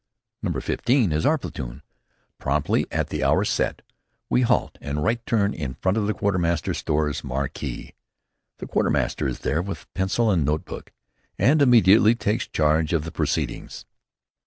Number 15 is our platoon. Promptly at the hour set we halt and right turn in front of the Quartermaster Stores marquee. The quartermaster is there with pencil and notebook, and immediately takes charge of the proceedings.